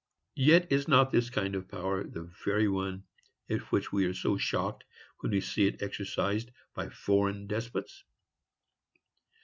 Yet is not this kind of power the very one at which we are so shocked when we see it exercised by foreign despots?